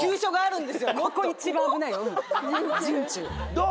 どう？